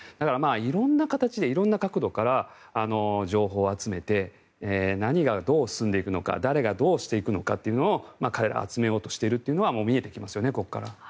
色んな形で色んな角度から情報を集めて何がどう進んでいくのか誰がどうしていくのかというのを彼らは集めようとしているのはここから見えてきますよね。